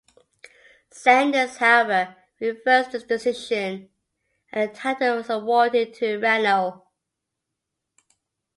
Sanders, however, reversed the decision and the title was awarded to Reno.